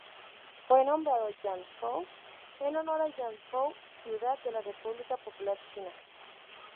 Fue nombrado Yangzhou en honor a Yangzhou ciudad de la República Popular China.